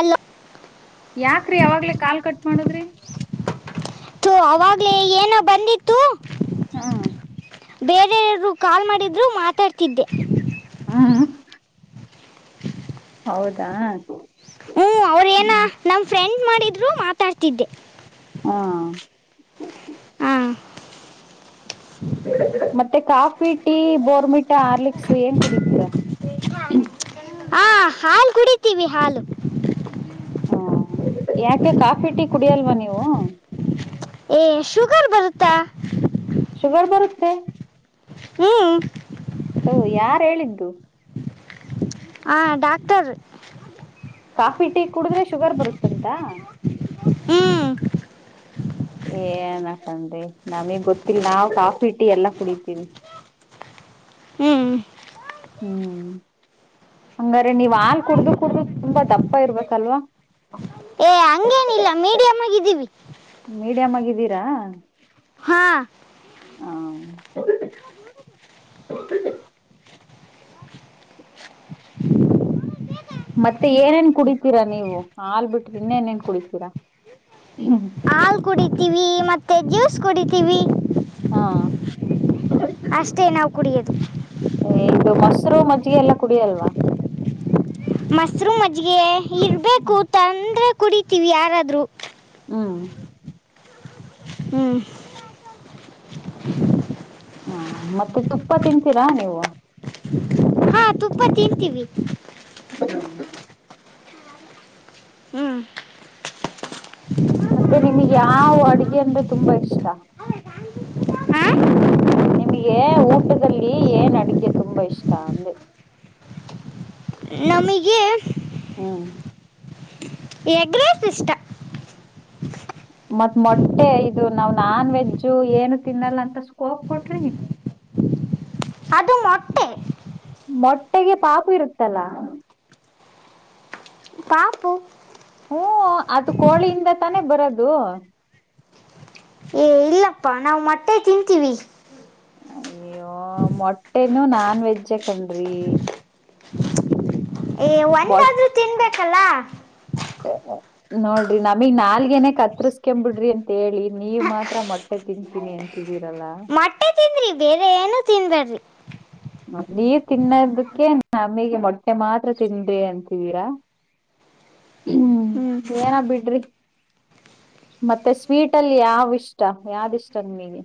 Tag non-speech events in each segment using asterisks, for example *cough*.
ಅಲ್ಲ ಮಾಡದ್ರಿ ಅವಾಗ್ಲೇ ಏನ ಬಂದಿತ್ತು ಹಾ ಬೇರೆರು ಕಾಲ್ ಮಾಡಿದ್ರು ಮಾತಾಡ್ತಿದ್ದೆ ಹ್ಮ್ ಹೌದಾ ಹ್ಮ ಅವ್ರೇನ ನಮ್ ಫ್ರೆಂಡ್ ಮಾಡಿದ್ರು ಮಾತಾಡ್ತಿದ್ದೆ ಹಾ ಹಾ ಮತ್ತೆ ಕಾಫಿ ಟೀ ಬೋರ್ಮಿಟ ಆರ್ಲಿಕ್ಸ್ು ಏನ್ ಕುಡಿತೀರಾ *inaudible* ಹ ಹಾಲು ಕುಡಿತೀವಿ ಹಾಲು ಹಾ ಯಾಕೆ ಕಾಫಿ ಟೀ ಕುಡಿಯಲ್ವಾ ನೀವು ಏ ಶುಗರ್ ಬರುತ್ತಾ ಹ ಹ್ಮ ಹ ಯಾರ ಹೇಳಿದ್ದು ಹ ಡಾಕ್ಟರ್ ಕಾಫಿ ಟೀ ಕುಡಿದ್ರೆ ಶುಗರ್ ಬರುತ್ತಂತ ಹ್ಮ್ ಏನಕನ್ಿ ನಮಗ್ ಗೊತ್ತಿಲ್ಲ ನಾವ್ ಕಾಫಿ ಇಟ್ಟಿ ಎಲ್ಲಾ ಕುಡಿತೀವಿ ಹ್ಞೂ ಹ್ಮ್ ಹಂಗಾರೆ ನೀವ್ ಹಾಲ್ ಕುಡ್ದು ಕುಡ್ದು ತುಂಬಾ ದಪ್ಪ ಇರ್ಬೇಕಲ್ವಾ ಏನಿಲ್ಲ ಮೀಡಿಯಾ ಮಾಗಿದ್ದೀವಿ ವೀರಾ ಹಾ *inaudible* *unintelligible* ಮತ್ತೆ ಏನೇನ್ ಕುಡಿತೀರಾ ನೀವು ಹಾಲ್ ಬಿಟ್ರಿ ಇನ್ನೇನೇನ್ ಕುಡಿತೀರಾ ಹಾಲ್ ಕುಡಿತೀವಿ ಮತ್ತೆ ಜ್ಯೂಸ್ ಕುಡಿತೀವಿ ಹಾ ಅಷ್ಟೇ ನಾವು ಕುಡಿಯದು ಹೆಸರು ಮಜ್ಜಿಗೆ ಎಲ್ಲಾ ಕುಡಿಯಲ್ವಾ ಮಸರುೂಮ್ ಅಜ್ಜಿಗೆ ಇರ್ಬೇಕು ತಂದ್ರೆ ಕುಡತಿೀವಿ ಯಾರಾದ್ರು ಹ್ಮ ಹ್ಮ್ ಹ್ಮ ಮತ್ತೆ ತುಪ್ಪ ತಿಂತೀರಾ ನೀವು ಹಾ ತುಪ್ಪ ತಿರ್ತೀವಿ ಹ್ಮ ಹ್ಮ್ ಮತ್ತೆ ನಿಮಗ್ ಯಾವ ಅಡ್ಗೆ ಅಂದ್ರೆ ತುಂಬಾ ಇಷ್ಟ ಹಾ ನಿಮ್ಗೆ ಊಟದಲ್ಲಿ ಏನ್ ಅಡಗೆ ತುಂಬಾ ಇಷ್ಟ ಅಂದೆ *inaudible* *unintelligible* ನಮಗೆ ಹ್ಮ್ ಎಗ್ ರೈಸ್ ಇಷ್ಟ ಮತ್ ಮೊಟ್ಟೆ ಇದು ನಾವ್ ನಾನ್ ವೆಜ್ಜು ಏನು ತಿನ್ನಲ್ಲ ಅಂತ ಸ್ಕೋಪ್ ಕೊಟ್ರಿ *inaudible* *unintelligible* ಅದು ಮೊಟ್ಟೆ ಮೊಟ್ಟೆಗೆ ಪಾಪು ಇರುತ್ತಲ್ಲ ಪಾಪು ಹ್ಮ ಅದು ಕೋಳಿಯಿಂದ ತಾನೇ ಬರದು ಏ ಇಲ್ಲಪ್ಪಾ ನಾವವು ಮಟ್ಟೆ ತಿಂತೀವಿ ಯ್ಯೋ ಮೊಟ್ಟೆನುೂ ನಾನ್ ವೆಜ್ಜೆ ಕಣ್ರಿ ಏ ಟ್ ಒಂದಾದ್ರೂ ತಿನ್ಬೇಕಲ್ಲ ನೋಡ್ರಿ ನಮಗ್ ನಾಲ್ಕ ಹೇನ ಕ ಹತ್ರಸ್ಕೊ ಬಿಡ್ರಿ ಅಂತ ಹೇಳಿ ನೀವ ಮಾತ್ರ ಮೊಟ್ಟೆ ತಿಂತೀನಿ ಅಂತಿದೀರಲ್ಲ ಮೊಟ್ಟೆ ತಿಂದ್ರಿ ಬೇರೆ ಏನು ತಿನ್ಬಾರ್ರಿ ನೀರ್ ತಿನ್ನದಕ್ಕೆ ನಾ ಅಮ್ಮಿಗೆ ಮೊಟ್ಟೆ ಮಾತ್ರ ತಿದಿ ಅಂತಿದೀರಾ ಹ್ಮ್ ಏನ ಬಿಡ್ರಿ ಮತ್ತೆ ಸ್ವೀಟ ಅಲ್ಲಿ ಯಾವ ಇಷ್ಟ ಯಾವ್ದ ಇಷ್ಟ ನಿಮಗೆ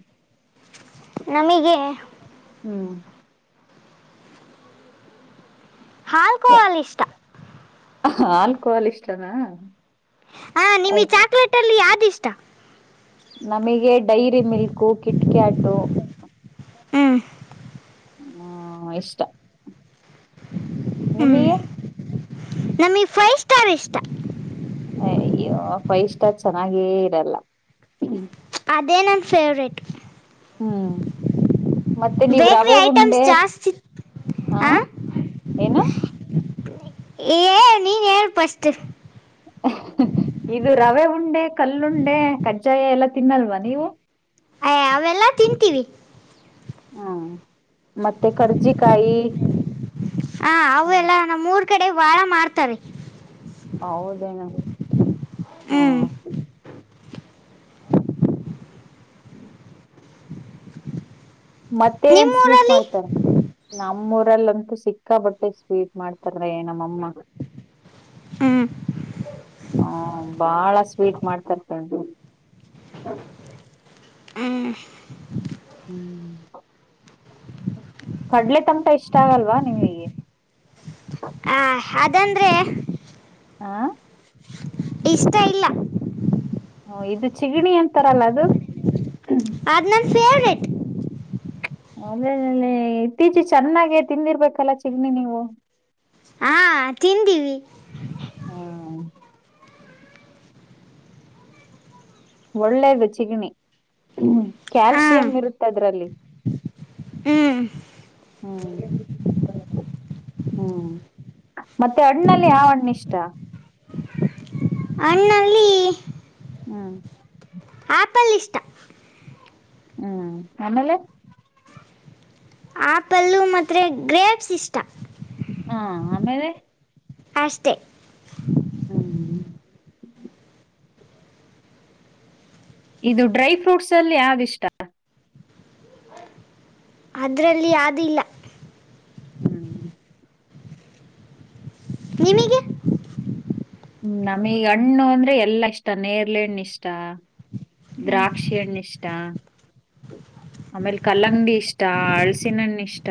ನಮಗೆ ಹ್ಮ್ ಹಾಲ್ಕೋಲ್ಲಿ ಇಷ್ಟ ಆಲ್ಕೋಹಾಲ್ ಇಷ್ಟನಾ ಹ ನಿಮಗ್ ಚಾಕ್ಲೇಟ ಅಲ್ಲಿ ಯಾವ್ದಿಷ್ಟ ನಮಗೆ ಡೈರಿ ಮಿಲ್ಕು ಕಿಟ್ಕ್ಯಾಟು ಹ್ಮ್ ಹ್ಮ ಇಷ್ಟ ನಿಮಗೆ ನಮಗ್ ಫೈವ್ ಸ್ಟಾರ್ ಇಷ್ಟ ಫೈವ ಸ್ಟಾರ್ ಚೆನ್ನಾಗೇ ಇರಲ್ಲ ಅದೇ ನಮ್ಮ ಫೇವ್ರೇಟ್ ಹ್ಮ ಮತ್ತೆ ನೀವ್ ಬೇಕ್ರಿ ರವೆ ಐಟಮ್ಸ್ ಉಂಡೆ ಜಾಸ್ತಿ ಹಾ ಏನು *inaudible* *unintelligible* ಏ ನೀನ್ ಹೇಳ್ ಫಸ್ಟ್ ಹ ಇದು ರವೆ ಉಂಡೆ ಕಲ್ಲುಂಡೆ ಕಜ್ಜಾಯ ಎಲ್ಲಾ ತಿನ್ನಲ್ವಾ ನೀವು ಅಯ್ ಅವೆಲ್ಲಾ ತಿಂತೀವಿ ಹ್ಮ ಮತ್ತೆ ಕರ್ಜಿಕಾಯಿ ಹಾ ಹ್ಮ್, ಅವೆಲ್ಲ ನಮ್ಮ ಮೂರ್ ಕಡೆ ಬಾಳ ಮಾಡ್ತಾರೆ ಹೌದೇನ ಹ್ಮ ಹ್ಮ್ ಮತ್ತೆ ನನ್ ಸ್ವೀಟ್ ನಿಮ್ಮೂರಲ್ಲಿ ಮಾಡ್ತಾರ ನಮ್ಮೂರ್ ಅವ್ರಲ್ಲಂತೂ ಸಿಕ್ಕಾ ಬಟ್ಟೆ ಸ್ವೀಟ್ ಮಾಡ್ತಾರ ನಮ್ಮಮ್ಮ ಹ್ಮ್ ಹ್ಮ ಬಾಳ ಸ್ವೀಟ್ ಮಾಡ್ತರ್ತು ಹ್ಮ್ ಹ್ಮ್ ಕಡ್ಲೆ ತಂಟ ಇಷ್ಟ ಆಗಲ್ವಾ ನಿಮ್ಗೆ ಆ, ಅದಂದ್ರೆ ಹಾ ಇಷ್ಟ ಇಲ್ಲ ಹ ಇದು ಚಿಗಣಿ ಅಂತಾರಲ್ಲ ಅದು ಫೆವ್ರೈಟ್ ಅ ಇತ್ತೀಚೆ ಚೆನ್ನಾಗೆ ತಿಂದಿರ್ಬೇಕಲ್ಲ ಚಿಗ್ಣಿ ನೀವು ಹಾ ತಿಂದೀವಿ ಹಾ ಒಳ್ಳೇದು ಚಿಗಣಿ ಹಾ ಕ್ಯಾಲ್ಸಿಯಂ ಇರುತ್ತೆ ಅದ್ರಲ್ಲಿ ಹ್ಮ್ ಹ ಹ್ಮ್ ಮತ್ತೆ ಅಣ್ಣಲ್ಲಿ ಯಾವ ಅಣ್ಣ ಇಷ್ಟ ಅಣ್ಣಲ್ಲಿ ಹ್ಮ್ ಆಪಲ್ ಇಷ್ಟ ಹ್ಮ್ ಆಮೇಲೆ ಆಪಲ್ಲು ಮತ್ತೆ ಗ್ರೇಪ್ಸ್ ಇಷ್ಟ ಹಾ ಆಮೇಲೆ ಅಷ್ಟೇ ಹ್ಮ್ ಇದು ಡ್ರೈ ಫ್ರೂಟ್ಸ್ ಅಲ್ಲಿ ಯಾವಿಷ್ಟ ಅದರಲ್ಲಿ ಯಾವ್ದು ಇಲ್ಲ ಹ್ಮ್ ನಿಮಗೆ ಹ್ಮ್ ನಮಗ್ ಹಣ್ಣು ಅಂದ್ರೆ ಎಲ್ಲಾ ಇಷ್ಟ ನೇರ್ಲೆಣ್ಣ ಇಷ್ಟ ದ್ರಾಕ್ಷಿಣ್ಣ ಇಷ್ಟಾ ಆಮೇಲ್ ಕಲ್ಲಂಗಡಿ ಇಷ್ಟ ಅಳ್ಸಿನ್ಣ ಇಷ್ಟ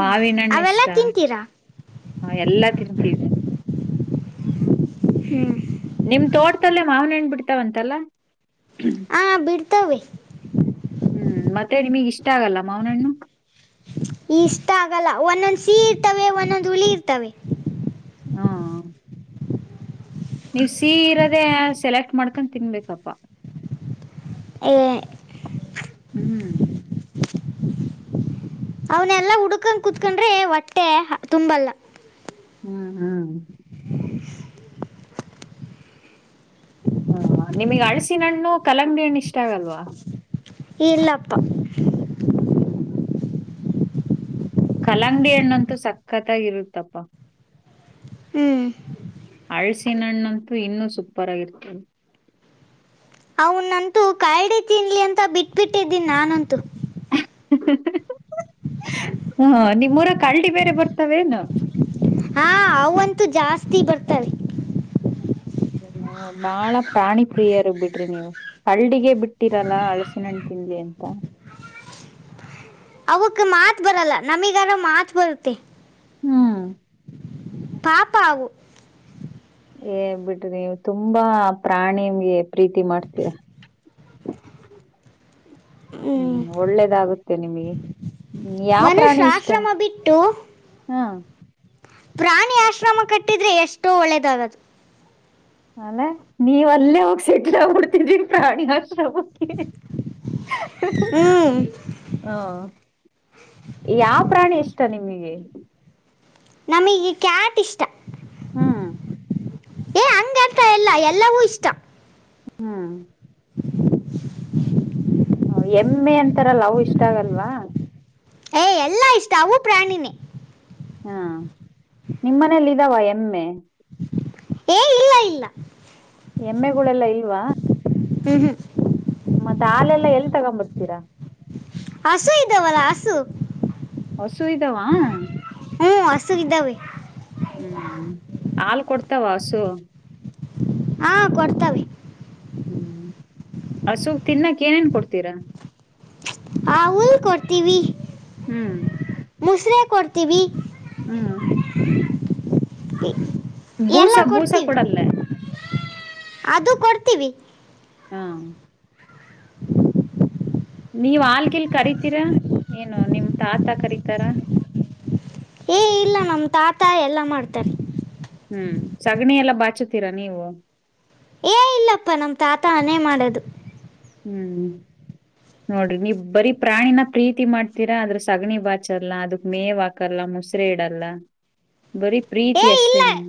ಮಾವಿನಣ್ಣ ಎಷ್ಟ ತಿನ್ತೀರಾ ಹಾ ಎಲ್ಲಾ ತಿಂತೀವಿ ಹಾ ನಿಮ್ ತೋಟದಲ್ಲೇ ಮಾವನಹಣ್ ಬಿಡ್ತಾವಂತಲ್ಲ ಉತ್ತವಿ ಹ್ಮ್ ಮತ್ತೆ ನಿಮಗ್ ಇಷ್ಟ ಆಗಲ್ಲ ಮಾವನಣ್ಣು ಇಷ್ಟ ಆಗಲ್ಲ ಒಂದೊಂದ್ ಸಿಹಿ ಇರ್ತವೆ ಒಂದೊಂದ್ ಹುಳಿ ಇರ್ತವೆ ಹಾ ನೀವ್ ಸಿಹಿ ಇರೋದೆ ಸೆಲೆಕ್ಟ್ ಮಾಡ್ಕೊಂಡು ತಿನ್ಬೇಕಪ್ಪಾ ಹೇ.... ಹ್ಮ್ ಅವನೆಲ್ಲಾ ಹುಡ್ಕೊಂಡ ಕುತ್ಕೊಂಡ್ರೆ ಹೊಟ್ಟೆ ತುಂಬಲ್ಲ ಹ್ಮ್ ಹ್ಮ್ ಹಾ ನಿಮಗ್ ಹಲಸಿನ ಹಣ್ಣು ಕಲಂಗಡಿ ಹಣ್ಣು ಇಷ್ಟ ಆಗಲ್ವಾ ಇಲ್ಲಪ್ಪ ಹ್ಮ್ ಕಲಂಗಡಿ ಹಣ್ಣಂತೂ ಸಕ್ಕತ್ತಾಗಿರುತ್ತಪ್ಪ ಹ್ಮ್ ಹಲಸಿನಣ್ಣಂತೂ ಇನ್ನೂ ಸೂಪರ್ ಆಗಿರ್ತದೆ ಕಾಯಡಿ ತಿನ್ಲಿ ಅಂತ ಬಿಟ್ಬಿಟ್ಟಿದ್ದೀನಿ ನಾನಂತೂ ಹಾ ನಿಮ್ಮೂರಾಗ ಕಾಳಡಿ ಬೇರೆ ಬರ್ತಾವ ಏನು ಹಾ ಅವಂತೂ ಜಾಸ್ತಿ ಬರ್ತಾರೆ ಹ್ಮ್ ಬಾಳ ಪ್ರಾಣಿ ಪ್ರಿಯರು ಬಿಡ್ರಿ ನೀವು ಕರಡಿಗೆ ಬಿಟ್ಟಿರಲ್ಲ ಹಲಸಿನ ಹಣ್ಣು ತಿನ್ಲಿ ಅಂತ ಅವಕ್ ಮಾತ್ ಬರಲ್ಲ ನಮೀಗಾರ ಮಾತ್ ಬರುತ್ತೆ ಹ್ಮ್ ಪಾಪ ಅವು ಏ ಬಿಡ್ರಿ ನೀವು ತುಂಬಾ ಪ್ರಾಣಿಗೆ ಪ್ರೀತಿ ಮಾಡ್ತೀರ *inaudible* ಹ್ಮ್ ಒಳ್ಳೇದಾಗುತ್ತೆ ನಿಮ್ಗೆ ಹ್ಮ್ ಯಾವ ಮನುಷ್ಯ ಪ್ರಾಣಿ ಇಷ್ಟ ಆಶ್ರಮ ಬಿಟ್ಟು ಹಾ ಪ್ರಾಣಿ ಆಶ್ರಮ ಕಟ್ಟಿದ್ರೆ ಎಷ್ಟೋ ಒಳ್ಳೆದಾಗದು ಅಲ್ಲ ನೀವ ಅಲ್ಲೇ ಹ ಸೆಟ್ಲ್ ಆಗ್ಬಿಡ್ತಿದ್ರ ಪ್ರಾಣಿ ಆಶ್ರಮಕ್ಕೆ ಹ್ಮ್ ಹಾ ಯಾವ ಪ್ರಾಣಿ ಇಷ್ಟ ಇಷ್ಟ ನಿಮಗೆ ನಮಗೆ ಕ್ಯಾಟ್ ಇಷ್ಟ ಹ್ಮ್ ಏ ಹಂಗತ ಎಲ್ಲಾ ಎಲ್ಲವೂ ಇಷ್ಟ ಹ್ಮ್ *inaudible* ಹ ಎಮ್ಮೆ ಅಂತಾರಲ್ಲವು ಇಷ್ಟ ಆಗಲ್ವಾ ಏಯ ಎಲ್ಲ ಇಷ್ಟ ಅವು ಪ್ರಾಣಿನೇ ಹಾ ನಿಮ್ಮನೇಯಲ್ಲಿ ಇದಾವ ಎಮ್ಮೆ ಏ ಇಲ್ಲ ಇಲ್ಲ ಎಮ್ಮೆಗಳೆಲ್ಲಾ ಇಲ್ವಾ ಹ್ಮ ಹ್ಮ ಮತ್ತೆ ಹಾಲೆಲ್ಲಾ ಎಲ್ ತಗೊ್ಂಬರ್ತೀರಾ ಹಸು ಇದವಲ್ಲ ಹಸು ಹಸು ಇದಾವ ಹು ಹಸು ಇದಾವೆ ಹ್ಮ್ ಹಾಲ್ ಕೊಡ್ತಾವ ಹಸು ಹಾ ಕೊಡ್ತವೆ ಹ್ಮ್ ಹಸುಕ್ ತಿನ್ನಾಕ್ ಏನೇನ್ ಕೊಡ್ತೀರ ಹಾ ಹುಲ್ಲು ಕೊಡ್ತೀವಿ ಹ್ಮ್ ಮುಸ್ರೆ ಕೊಡ್ತೀವಿ ಹ್ಮ್ ಇ.... ಬೂಸ ಬೂಸ ಕೂಡಲ್ಲ ಅದು ಕೊಡ್ತೀವಿ ಹಾ ನೀವ್ ಹಾಲ್ಗಿಲ್ ಕರಿತೀರಾ ಏನು ನಿಮ ತಾತ ಕರೀತಾರ ಏ ಇಲ್ಲ ನಮ ತಾತ ಎಲ್ಲಾ ಮಾಡ್ತಾರೆ ಹ್ಮ್ ಸಗಣಿ ಎಲ್ಲ ಬಾಚತೀರಾ ನೀವು ಏ ಇಲ್ಲಪ್ಪಾ ನಮ್ಮ ತಾತ ಅನೆೇ ಮಾಡದು ಹ್ಮ್ ನೋಡ್ರಿ ನೀವ್ ಬರೀ ಪ್ರಾಣಿನ ಪ್ರೀತಿ ಮಾಡ್ತೀರಾ ಆದದ್ರ ಸಗಣಿ ಬಾಚಲ್ಲ ಅದಕ್ಕೆ ಮೇವ್ ಹಾಕಲ್ಲ ಮುಸ್ರ ಇಡಲ್ಲ ಬರೀ ಪ್ರೀತಿ ಏ ಅಷ್ಟೇ ಇಲ್ಲ ನೀನ್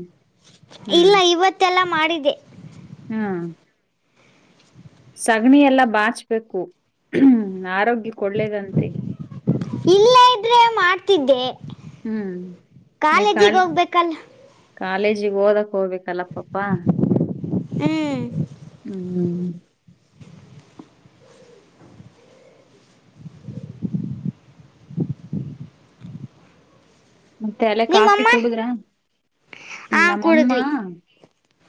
ಹ್ಮ್ ಇಲ್ಲ ಇವತ್ತೆಲ್ಲ ಮಾಡಿದೆ ಹ್ಮ್ ಸಗಣಿ ಎಲ್ಲಾ ಬಾಚ್ಬೇಕು ಹ್ಮ ಆರೋಗ್ಯ ಕೊಡ್ಳ್ಳೇದಂತೆ ಇಲ್ಲಿ ಇದ್ರೆ ಮಾಡ್ತಿದ್ದೆ ಹ್ಮ್ ನೀವ್ ಕಾಲೇಜಿಗೆ ಕಾಲ್ ಹೋಗ್ಬೇಕಲ್ ಕಾಲೇಜಿಗೆ ಓದಕ್ ಹೋಗ್ಬೇಕಲ್ಲ ಪಾಪ ಹ್ಮ್ ಹ್ಮ್ ಮತ್ತೆ ಅಲ್ಲ ಕಾಫಿ ನಿಮ್ಮಮ್ಮ ಕುಡುದ್ರ ಹಾ ನಮ್ಮಮ್ಮ ಕುಡಿದ್ವಿ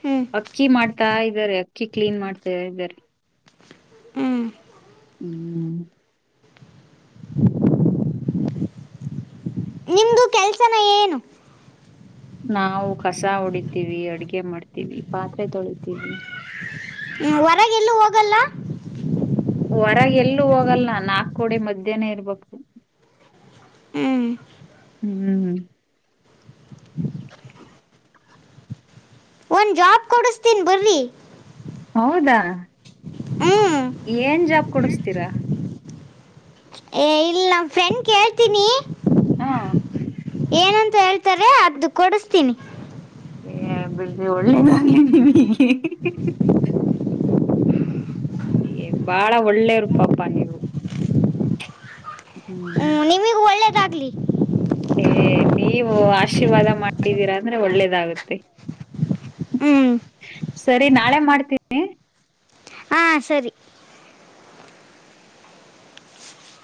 ಹ್ಮ್ ಅಕ್ಕಿ ಮಾಡ್ತಾ ಇದ್ದಾರೆ ಅಕ್ಕಿ ಕ್ಲೀನ್ ಮಾಡ್ತಾ ಇದ್ದಾರೆ ಹ್ಮ್ ಹ್ಮ್ *unintelligible* ನಿಮ್ದು ಕೆಲ್ಸನ ಏನು ನಾವು ಕಸ ಹೊಡಿತೀವಿ ಅಡ್ಗೆ ಮಾಡ್ತೀವಿ ಪಾತ್ರೆ ತೊಳಿತೀವಿ ಹ್ಮ ಹೊರಗೆ ಎಲ್ಲೂ ಹೋಗಲ್ಲ ಹೊರಗೆ ಎಲ್ಲೂ ಹೋಗಲ್ಲ ನಾಕು ಗೋಡೆ ಮಧ್ಯಾಹ್ನ ಇರ್ಬೇಕು ಹ್ಮ್ ಹ್ಮ್ ಹ್ಮ್ *unintelligible* ಒಂದು ಜಾಬ್ ಕೊಡಿಸ್ತೀನಿ ಬರ್ರಿ ಹೌದಾ ಹ್ಞೂ ಏನ್ ಜಾಬ್ ಕೊಡಿಸತೀರಾ ಏ ಇಲ್ ನಮ ಫ್ರೆಂಡ್ ಕೇಳ್ತೀನಿ ಹಾ ಏನಂತ ಹೇಳ್ತಾರೆ ಅದದು ಕೊಡಸ್ತೀನಿ ಏ ಬಿಡ್ ಒಳ್ಳೇದಾಗ್ಲಿದ್ದೀವಿ ಹೀಗೆ ಬಾಳ ಒಳ್ಳೇರು ಪಾಪಾ ನೀವು ಹ್ಮ್ ಹ್ಞೂ *unintelligible* ಏ ನೀವು ಆಶೀರ್ವಾದ ಮಾಡಿದ್ದೀರಾ ಅಂದ್ರೆ ಒಳ್ಳೇದಾಗುತ್ತೆ ಹ್ಮ್ ಸರಿ ನಾಳೆ ಮಾಡ್ತೀನಿ ಹಾ ಸರಿ